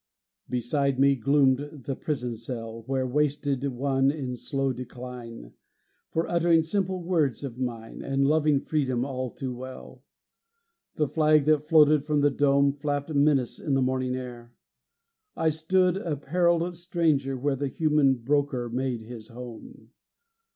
Beside me gloomed the prison cell Where wasted one in slow decline For uttering simple words of mine, And loving freedom all too well. The flag that floated from the dome Flapped menace in the morning air; I stood a perilled stranger where The human broker made his home.